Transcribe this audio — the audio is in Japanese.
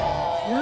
何？